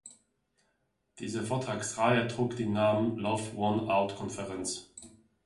Diese Vortragsreihe trug den Namen "Love Won Out Konferenz".